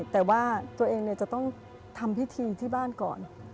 แต่ว่าตัวเองจะต้องทำพิธีที่บ้านก่อน